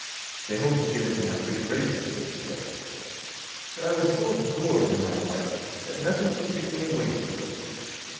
They hoped to get into my good graces in this way. But I was so absorbed in my art that nothing could take me away from it.